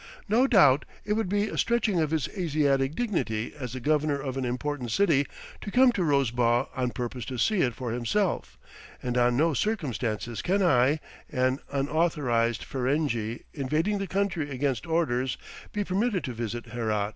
No doubt, it would be a stretching of his Asiatic dignity as the governor of an important city, to come to Rosebagh on purpose to see it for himself, and on no circumstances can I, an unauthorized Ferenghi invading the country against orders, be permitted to visit Herat.